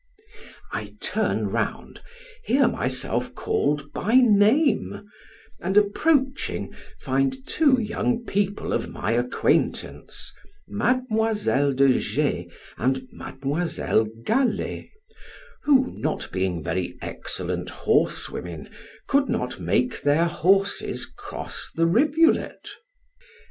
I turn round, hear myself called by name, and approaching, find two young people of my acquaintance, Mademoiselle de G and Mademoiselle Galley, who, not being very excellent horsewomen, could not make their horses cross the rivulet.